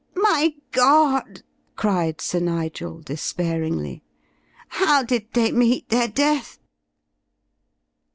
"My God!" cried Sir Nigel, despairingly. "How did they meet their death?"